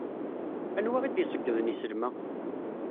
Anwa i d-iseyyden islem-a?